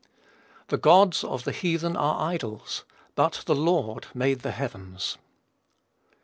"The gods of the heathen are idols, but the Lord made the heavens."